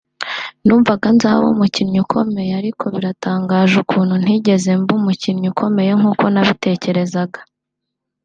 numvaga nzaba nk’umukinnyi ukomeye ariko biratangaje ukuntu ntigeze mba umukinnyi ukomeye nk’uko nabitekerezaga